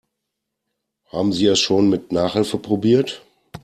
Haben Sie es schon mit Nachhilfe probiert?